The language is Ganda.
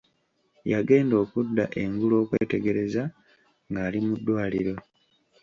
Yagenda okudda engulu okwetegereza nga ali mu ddwaliro.